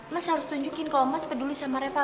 mas harus tunjukin kalau mas peduli sama reva